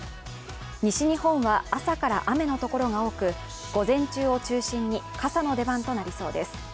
西日本は朝から雨の所が多く午前中を中心に傘の出番となりそうです。